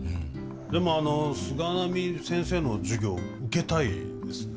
でもあの菅波先生の授業受けたいですね。